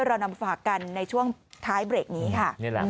เรานำฝากกันในช่วงท้ายเบรกนี้ค่ะ